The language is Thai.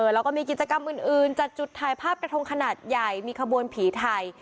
แล้วก็มีกิจกรรมอื่นจัดจุดถ่ายภาพกระทงขนาดใหญ่มีขบวนผีไทย